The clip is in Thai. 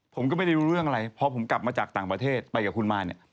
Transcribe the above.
ผมก็ไม่ได้รู้เรื่องอะไรพอผมกลับมาจากต่างประเทศไปกับคุณมาเนี่ย